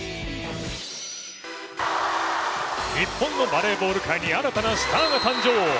日本のバレーボール界に新たなスターが誕生。